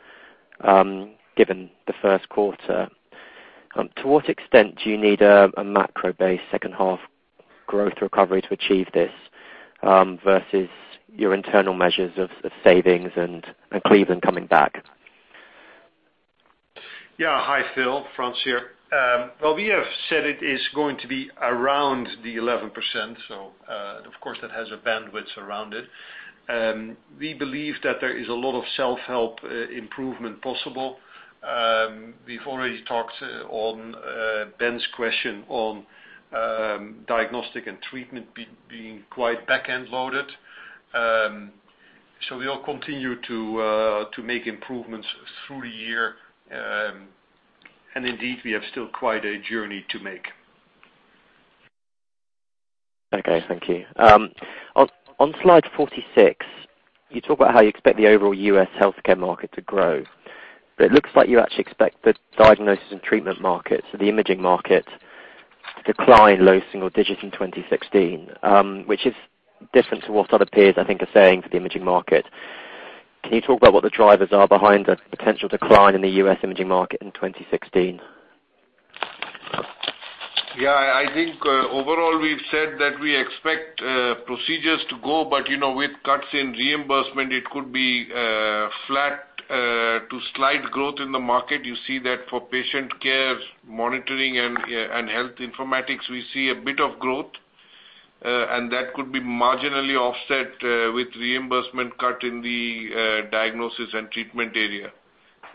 given the first quarter. To what extent do you need a macro-based second half growth recovery to achieve this, versus your internal measures of savings and Cleveland coming back? Yeah. Hi, Phil. Frans here. Well, we have said it is going to be around the 11%, so of course that has a bandwidth around it. We believe that there is a lot of self-help improvement possible. We've already talked on Ben's question on Diagnosis and Treatment being quite backend loaded. We'll continue to make improvements through the year. Indeed, we have still quite a journey to make Okay, thank you. On slide 46, you talk about how you expect the overall U.S. healthcare market to grow, but it looks like you actually expect the Diagnosis and Treatment market, so the imaging market, to decline low single digits in 2016, which is different to what other peers, I think, are saying for the imaging market. Can you talk about what the drivers are behind the potential decline in the U.S. imaging market in 2016? Yeah, I think, overall, we've said that we expect procedures to go, but with cuts in reimbursement, it could be flat to slight growth in the market. You see that for patient care monitoring and health informatics, we see a bit of growth. That could be marginally offset with reimbursement cut in the Diagnosis and Treatment area.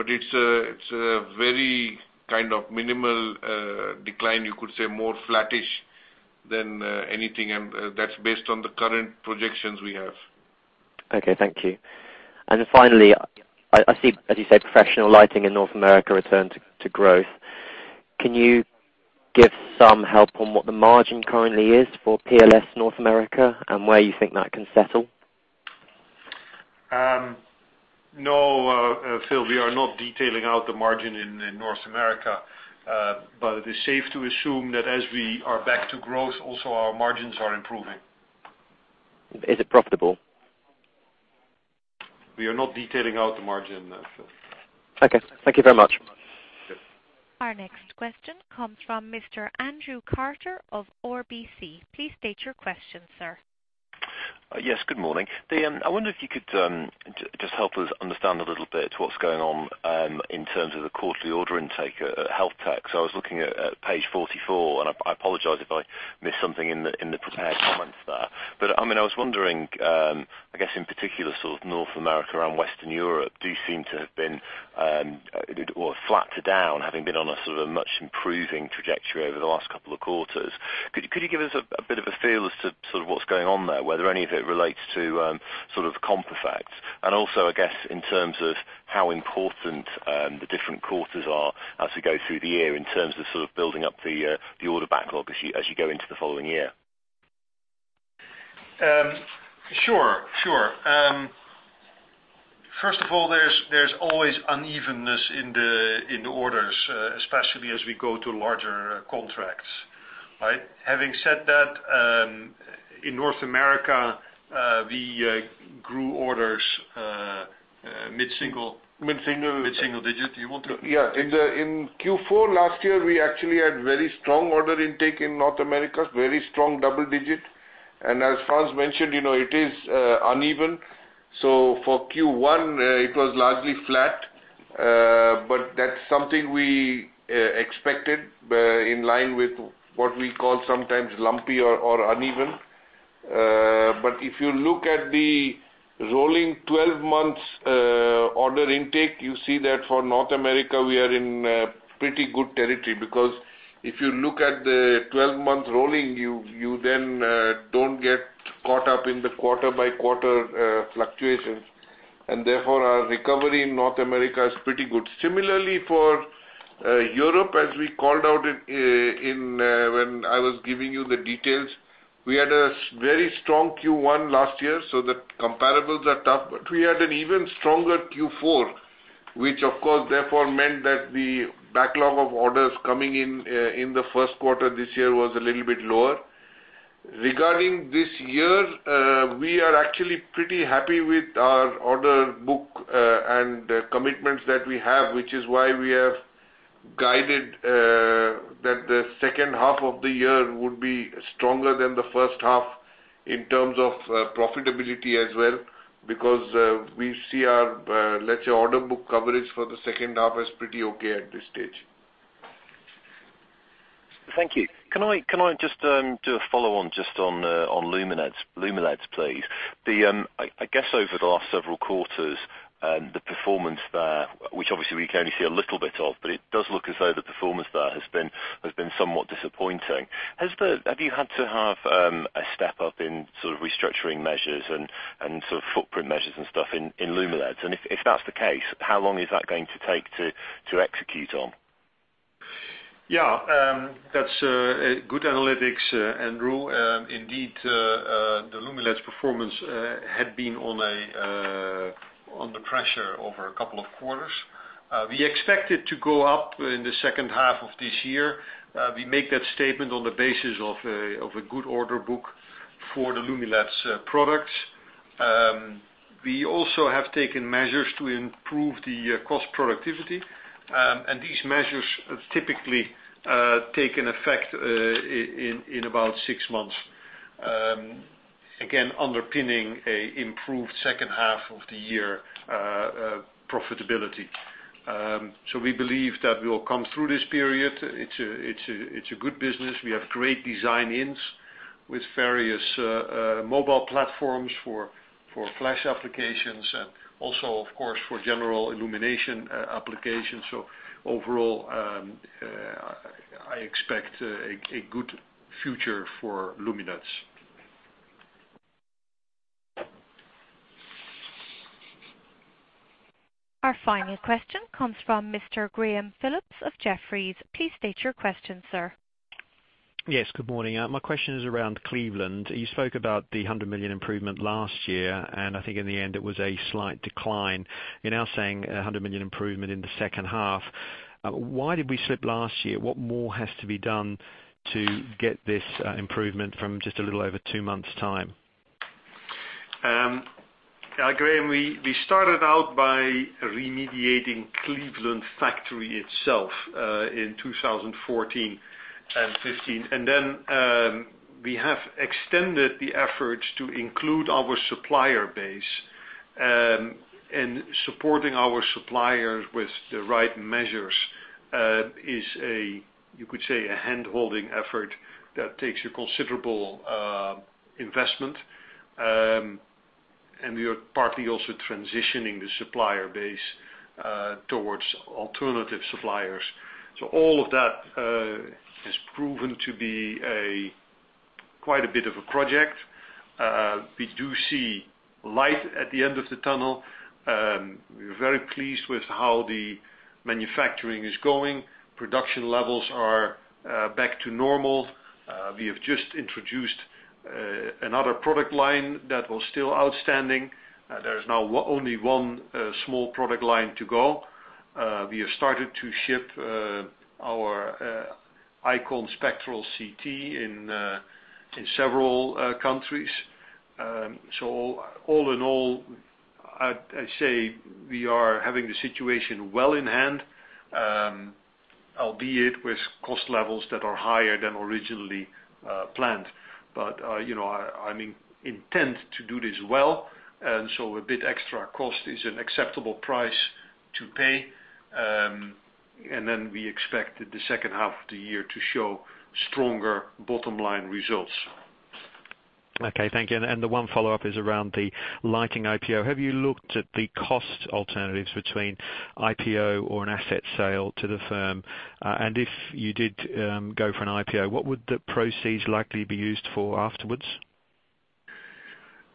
It's a very minimal decline, you could say, more flattish than anything, and that's based on the current projections we have. Okay, thank you. Then finally, I see, as you said, professional lighting in North America returned to growth. Can you give some help on what the margin currently is for PLS North America and where you think that can settle? No, Phil, we are not detailing out the margin in North America. It is safe to assume that as we are back to growth, also our margins are improving. Is it profitable? We are not detailing out the margin, Phil. Okay, thank you very much. Yes. Our next question comes from Mr. Andrew Carter of RBC. Please state your question, sir. Yes, good morning. I wonder if you could just help us understand a little bit what's going on in terms of the quarterly order intake at HealthTech. I was looking at page 44, and I apologize if I missed something in the prepared comments there. I was wondering, I guess in particular, North America and Western Europe do seem to have been, or flat to down, having been on a much improving trajectory over the last couple of quarters. Could you give us a bit of a feel as to what's going on there, whether any of it relates to comp effects? Also, I guess, in terms of how important the different quarters are as we go through the year in terms of building up the order backlog as you go into the following year. Sure. First of all, there's always unevenness in the orders, especially as we go to larger contracts. Right? Having said that, in North America, we grew orders mid-single. Mid-single. Mid-single digit. You want to? Yeah. In Q4 last year, we actually had very strong order intake in North America, very strong double digit. As Frans mentioned, it is uneven. For Q1, it was largely flat. That's something we expected, in line with what we call sometimes lumpy or uneven. If you look at the rolling 12 months order intake, you see that for North America, we are in pretty good territory, because if you look at the 12 months rolling, you then don't get caught up in the quarter-by-quarter fluctuations. Therefore, our recovery in North America is pretty good. Similarly, for Europe, as we called out when I was giving you the details, we had a very strong Q1 last year, so the comparables are tough. We had an even stronger Q4, which of course, therefore meant that the backlog of orders coming in the first quarter this year was a little bit lower. Regarding this year, we are actually pretty happy with our order book and commitments that we have, which is why we have guided that the second half of the year would be stronger than the first half in terms of profitability as well, because we see our, let's say, order book coverage for the second half as pretty okay at this stage. Thank you. Can I just do a follow-on just on Lumileds, please? I guess over the last several quarters, the performance there, which obviously we can only see a little bit of, but it does look as though the performance there has been somewhat disappointing. Have you had to have a step-up in restructuring measures and footprint measures and stuff in Lumileds? If that's the case, how long is that going to take to execute on? Yeah. That's good analytics, Andrew. Indeed, the Lumileds performance had been under pressure over a couple of quarters. We expect it to go up in the second half of this year. We make that statement on the basis of a good order book for the Lumileds products. These measures typically take an effect in about 6 months. Again, underpinning a improved second half of the year profitability. We believe that we will come through this period. It's a good business. We have great design-ins with various mobile platforms for flash applications and also, of course, for general illumination applications. Overall, I expect a good future for Lumileds. Our final question comes from Mr. Graham Phillips of Jefferies. Please state your question, sir. Yes, good morning. My question is around Cleveland. You spoke about the 100 million improvement last year, and I think in the end, it was a slight decline. You are now saying 100 million improvement in the second half. Why did we slip last year? What more has to be done to get this improvement from just a little over two months' time? Graham, we started out by remediating Cleveland Factory itself in 2014 and 2015. Then we have extended the efforts to include our supplier base. Supporting our suppliers with the right measures is, you could say, a hand-holding effort that takes a considerable investment. We are partly also transitioning the supplier base towards alternative suppliers. All of that has proven to be quite a bit of a project. We do see light at the end of the tunnel. We are very pleased with how the manufacturing is going. Production levels are back to normal. We have just introduced another product line that was still outstanding. There is now only one small product line to go. We have started to ship our IQon Spectral CT in several countries. All in all, I'd say we are having the situation well in hand, albeit with cost levels that are higher than originally planned. I intend to do this well, and so a bit extra cost is an acceptable price to pay. We expect the second half of the year to show stronger bottom-line results. Okay, thank you. The one follow-up is around the lighting IPO. Have you looked at the cost alternatives between IPO or an asset sale to the firm? If you did go for an IPO, what would the proceeds likely be used for afterwards?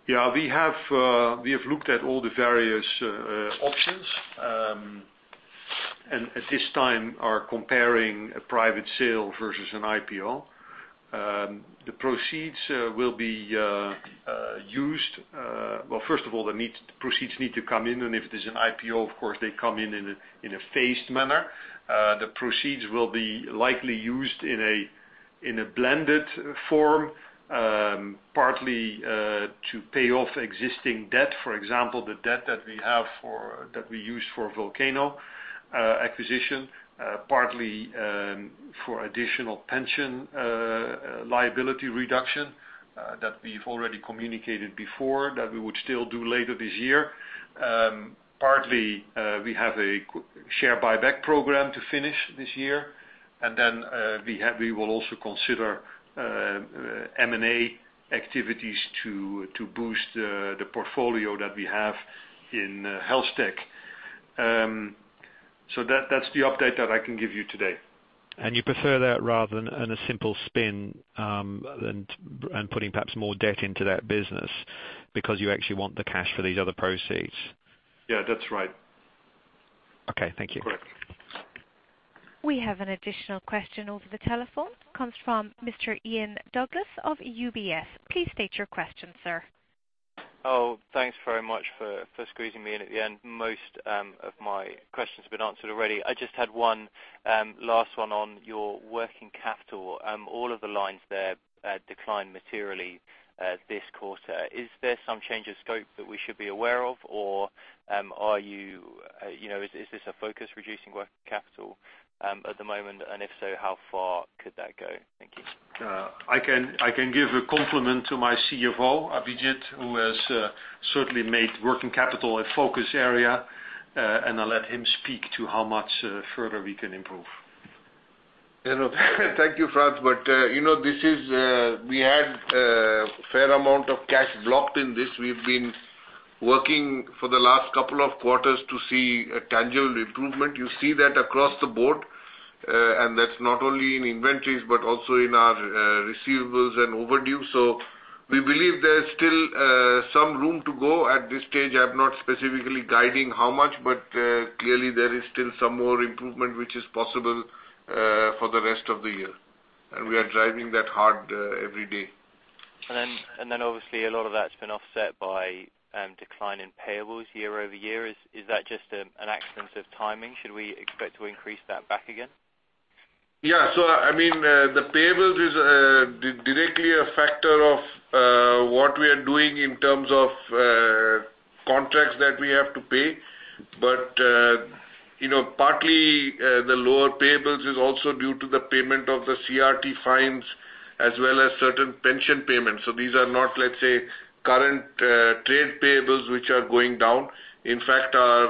Yeah. We have looked at all the various options, and at this time are comparing a private sale versus an IPO. The proceeds will be used Well, first of all, the proceeds need to come in, and if it is an IPO, of course, they come in in a phased manner. The proceeds will be likely used in a blended form, partly to pay off existing debt. For example, the debt that we used for Volcano acquisition. Partly for additional pension liability reduction that we've already communicated before, that we would still do later this year. Partly, we have a share buyback program to finish this year. Then, we will also consider M&A activities to boost the portfolio that we have in Health Tech. That's the update that I can give you today. You prefer that rather than a simple spin, and putting perhaps more debt into that business, because you actually want the cash for these other proceeds? Yeah, that's right. Okay. Thank you. Correct. We have an additional question over the telephone. Comes from Mr. Ian Douglas of UBS. Please state your question, sir. Oh, thanks very much for squeezing me in at the end. Most of my questions have been answered already. I just had one last one on your working capital. All of the lines there declined materially this quarter. Is there some change of scope that we should be aware of, or is this a focus, reducing working capital at the moment? If so, how far could that go? Thank you. I can give a compliment to my CFO, Abhijit, who has certainly made working capital a focus area. I'll let him speak to how much further we can improve. Thank you, Frans. We had a fair amount of cash blocked in this. We've been working for the last couple of quarters to see a tangible improvement. You see that across the board. That's not only in inventories, but also in our receivables and overdue. We believe there's still some room to go. At this stage, I'm not specifically guiding how much, but clearly there is still some more improvement which is possible for the rest of the year. We are driving that hard every day. Obviously a lot of that's been offset by decline in payables year-over-year. Is that just an accident of timing? Should we expect to increase that back again? Yeah. The payables is directly a factor of what we are doing in terms of contracts that we have to pay. Partly, the lower payables is also due to the payment of the CRT fines as well as certain pension payments. These are not, let's say, current trade payables which are going down. In fact, our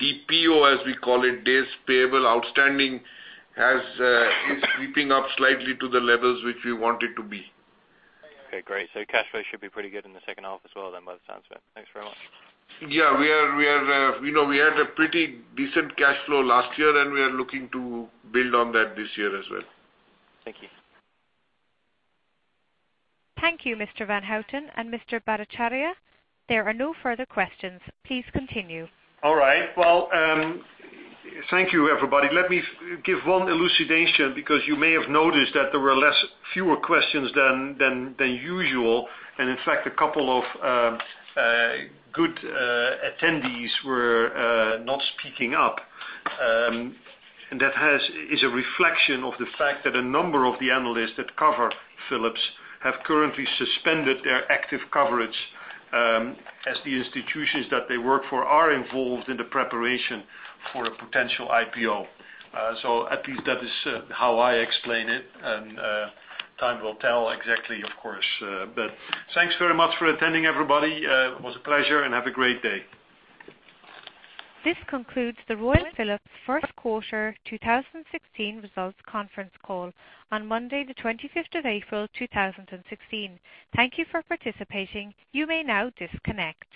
DPO, as we call it, days payable outstanding, is creeping up slightly to the levels which we want it to be. Okay, great. Cash flow should be pretty good in the second half as well then, by the sounds of it. Thanks very much. We had a pretty decent cash flow last year, and we are looking to build on that this year as well. Thank you. Thank you, Mr. van Houten and Mr. Bhattacharya. There are no further questions. Please continue. Thank you, everybody. Let me give one elucidation because you may have noticed that there were fewer questions than usual. In fact, a couple of good attendees were not speaking up. That is a reflection of the fact that a number of the analysts that cover Philips have currently suspended their active coverage, as the institutions that they work for are involved in the preparation for a potential IPO. At least that is how I explain it, and time will tell exactly, of course. Thanks very much for attending, everybody. It was a pleasure, and have a great day. This concludes the Royal Philips First Quarter 2016 Results Conference Call on Monday, the 25th of April, 2016. Thank you for participating. You may now disconnect.